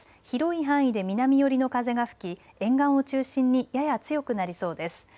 広い範囲で南寄りの風が吹き、沿岸を中心にやや強くなりそうです。